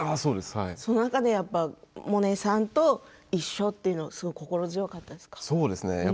その中で萌音さんと一緒というのは心強かったですか？